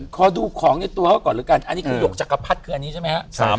ขอดูของในตัวเขาก่อนแล้วกันอันนี้คือหยกจักรพรรดิคืออันนี้ใช่ไหมครับ